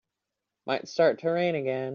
Might start to rain again.